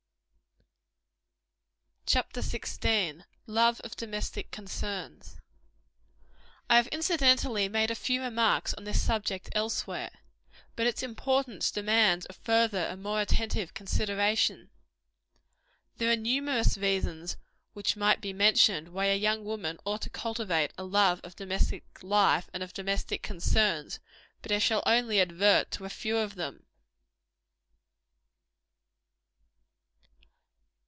A well ordered home a miniature of heaven. I have incidentally made a few remarks on this subject elsewhere; but its importance demands a further and more attentive consideration. There are numerous reasons which might be mentioned, why a young woman ought to cultivate a love of domestic life, and of domestic concerns; but I shall only advert to a few of them.